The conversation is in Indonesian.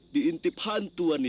diintip hantu anidin